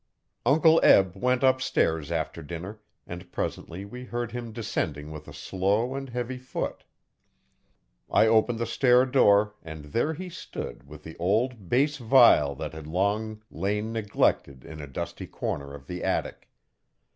Uncle Eb went upstairs after dinner and presently we heard him descending with a slow and heavy foot. I opened the stair door and there he stood with the old bass viol that had long lain neglected in a dusty corner of the attic.